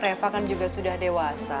reva kan juga sudah dewasa